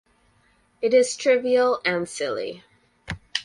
It is trivial and silly.